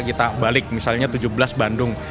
kita balik misalnya tujuh belas bandung